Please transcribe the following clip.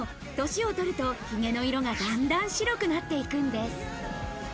年をとるとヒゲの色がだんだん白くなっていくんです。